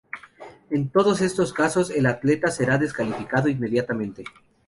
En todos estos casos el atleta será descalificado inmediatamente.